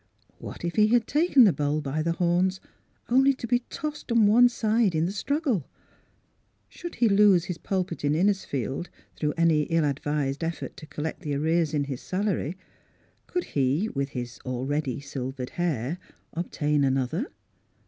What if he had taken the bull by the horns only to be tossed one side in the struggle. Should he lose his pulpit in Innisfield through any ill advised effort to collect the arrears in his salary, could he — with his already silvered hair — obtain another?